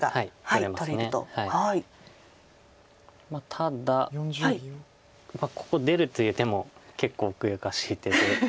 ただここ出るという手も結構奥ゆかしい手で。